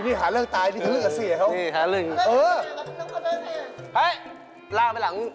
ลูกน้องเสียเอง